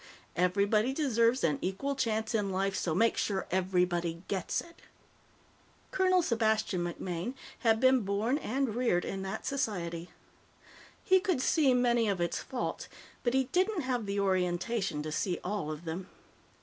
Everybody deserves an equal chance in life, so make sure everybody gets it. Colonel Sebastian MacMaine had been born and reared in that society. He could see many of its faults, but he didn't have the orientation to see all of them.